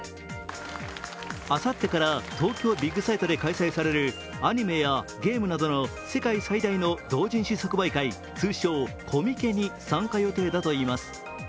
あさってから東京ビッグサイトで開催されるアニメやゲームなどの同人誌即売会、通称・コミケに参加予定だといいます。